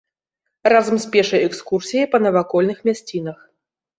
Разам з пешай экскурсіяй па навакольных мясцінах.